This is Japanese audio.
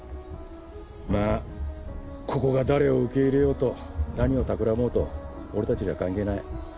まあここが誰を受け入れようと何をたくらもうと俺たちには関係ない。